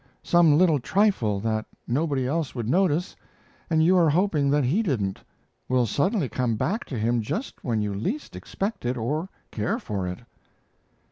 Some little trifle that nobody else would notice, and you are hoping that he didn't, will suddenly come back to him just when you least expect it or care for it."